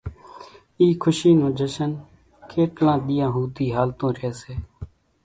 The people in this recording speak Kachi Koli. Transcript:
اِي کشي نون جشن ڪيٽلان ۮيان ۿوڌي ھالتون رئي سي